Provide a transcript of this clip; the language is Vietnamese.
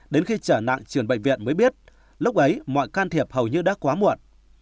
đến khi trở nặng trường bệnh viện mới biết lúc ấy mọi can thiệp hầu như đã quá muộn